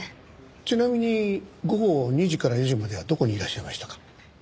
ちなみに午後２時から４時まではどこにいらっしゃいましたか？